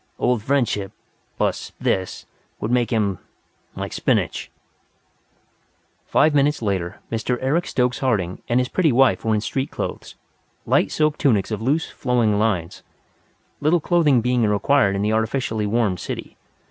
"Old friendship, plus this, would make him like spinach." Five minutes later Mr. Eric Stokes Harding and his pretty wife were in street clothes, light silk tunics of loose, flowing lines little clothing being required in the artificially warmed city.